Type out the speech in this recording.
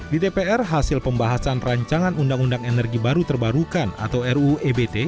di dpr hasil pembahasan rancangan undang undang energi baru terbarukan atau ruu ebt